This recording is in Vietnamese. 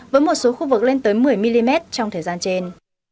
với một số khu vực lên tới một mươi mm trong thời gian trên